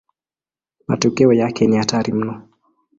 Matokeo yake ni hatari mno.